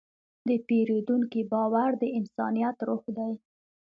د پیرودونکي باور د انسانیت روح دی.